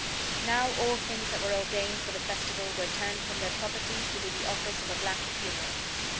Now all things that were ordained for the festival were turned from their properties to do the office of a black funeral.